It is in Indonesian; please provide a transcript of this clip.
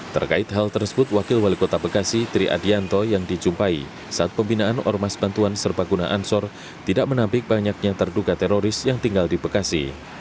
terkait hal tersebut wakil wali kota bekasi tri adianto yang dijumpai saat pembinaan ormas bantuan serbaguna ansor tidak menampik banyaknya terduga teroris yang tinggal di bekasi